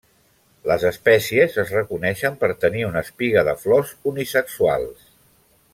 Les espècies es reconeixen per tenir una espiga de flors unisexuals.